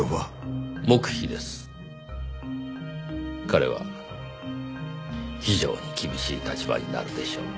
彼は非常に厳しい立場になるでしょう。